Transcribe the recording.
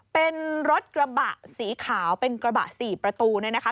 เป็นรถกระบะสีขาวเป็นกระบะ๔ประตูเนี่ยนะคะ